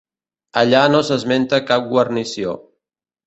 Allà no s'esmenta cap guarnició.